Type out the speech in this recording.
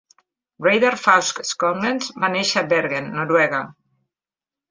Reidar Fauske Sognnaes va néixer a Bergen, Noruega.